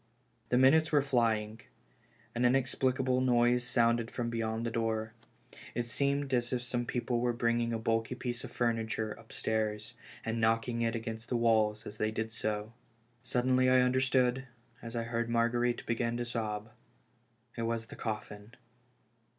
The minutes were flying. An inexplicable noise sounded from beyond the door. It seemed as if some * 16 253 THE FUNERAL. people were bringing a bulky piece of furniture up stairs, and knocking against tlie walls as they did so. Sud denly I understood, as I heard Marguerite begin to sob : it was the coffin.